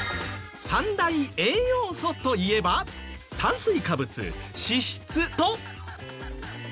３大栄養素といえば炭水化物脂質と？